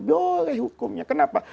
boleh hukumnya kenapa